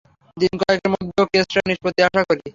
দিন কয়েকের মধ্যে কেসটার নিষ্পত্তি আশা করি।